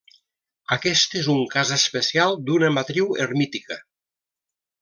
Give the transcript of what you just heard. Aquest és un cas especial d'una matriu hermítica.